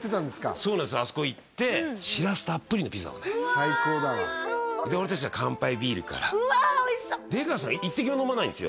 そうなんですあそこ行って最高だわ俺達は乾杯ビールからうわおいしそう出川さん一滴も飲まないんですよ